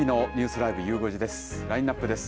ラインナップです。